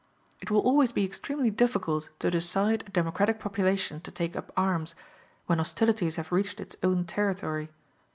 It will always be extremely difficult to decide a democratic population to take up arms, when hostilities have reached its own territory.